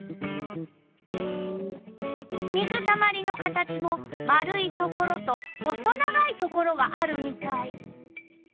水たまりの形も丸いところと細長いところがあるみたい。